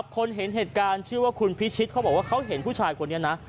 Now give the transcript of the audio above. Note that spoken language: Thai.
คนเห็นเหตุการณ์ชื่อว่าคุณพิชิตเขาบอกว่าเขาเห็นผู้ชายคนนี้นะ